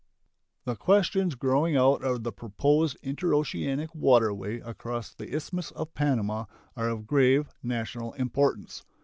The questions growing out of the proposed interoceanic waterway across the Isthmus of Panama are of grave national importance.